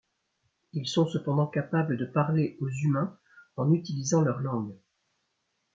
Ils sont cependant capables de parler aux Humains en utilisant leur langue.